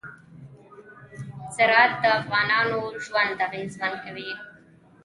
زراعت د افغانانو ژوند اغېزمن کوي.